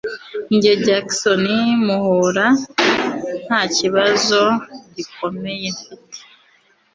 Njye Jackson humura ntakibazo gikomeye mfite